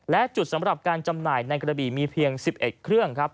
และจุดสำหรับการจำหน่ายในกระบี่มีเพียง๑๑เครื่องครับ